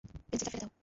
পেন্সিলটা ফেলে দাও।